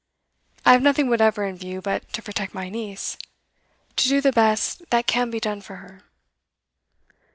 I have nothing whatever in view but to protect my niece to do the best that can be done for her.